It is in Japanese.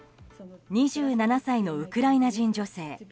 ２７歳のウクライナ人女性。